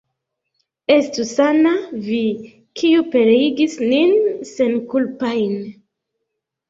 Estu sana vi, kiu pereigis nin senkulpajn!